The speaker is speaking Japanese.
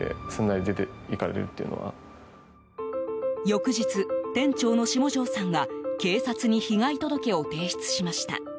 翌日、店長の下條さんは警察に被害届を提出しました。